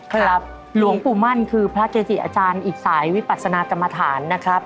ครับหลวงปู่มั่นคือพระเกจิอาจารย์อีกสายวิปัสนากรรมฐานนะครับ